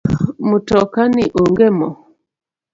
Mtoka ni onge moo